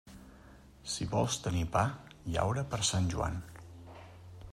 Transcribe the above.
Si vols tenir pa, llaura per Sant Joan.